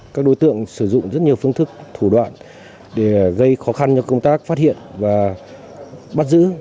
các đối tượng sử dụng rất nhiều phương thức thủ đoạn để gây khó khăn cho công tác phát hiện và bắt giữ